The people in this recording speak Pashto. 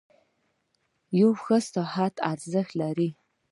• یو ښه ساعت ارزښت لري.